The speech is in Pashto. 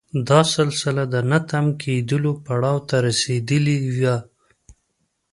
دا سلسله د نه تم کېدلو پړاو ته رسېدلې وه.